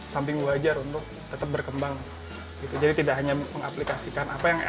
samping wajar untuk tetap berkembang jadi tidak hanya mengaplikasikan apa yang